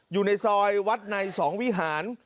อยู่ในซอยวัดในสองวิหาร